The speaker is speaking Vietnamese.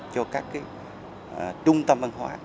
cho các trung tâm văn hóa